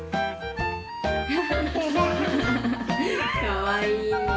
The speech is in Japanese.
かわいい。